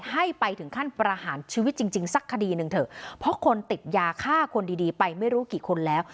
ให้ไปถึงขั้นประหารชีวิตจริงจริงสักคดีหนึ่งเถอะเพราะคนติดยาฆ่าคนดีดีไปไม่รู้กี่คนแล้ว